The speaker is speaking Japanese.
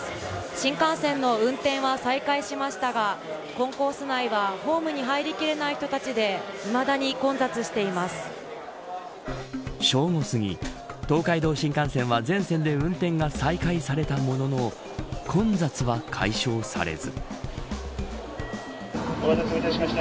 新幹線の運転は再開しましたがコンコース前はホームに入りきれない人たちで正午すぎ、東海道新幹線は全線で運転が再開されたものの混雑は解消されず。